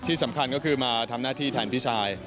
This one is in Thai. ที่สำคัญก็คือมาทำหน้าที่แทนพี่ชาย